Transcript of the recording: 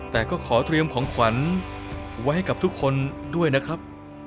แต่ก็ขอเตรียมของขวัญไว้ให้กับทุกคนด้วยนะครับ